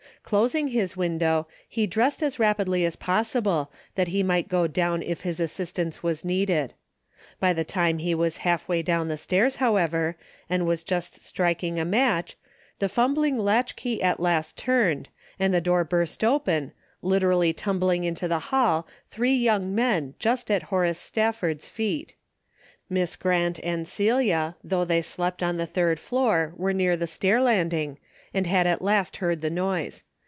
Closing his AAundoAv, he dressed as rapidly as possible, that he might go doAAm if his assist ance Avas needed. By the time he Avas half way doAvn the stairs, however, and Avas just 179 180 A DAILY RATE.'' striking a match, the fumbling latchkey at last turned, and the door burst open, literally tumbling into the hall three young men just at Horace Stafford's feet. Miss Grant and Celia, though they slept on the third floor, were near the stair landing and had at last heard the noise.